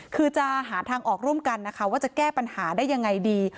คือจะหาทางออกร่วมกันนะคะว่าจะแก้ปัญหาได้ยังไงดี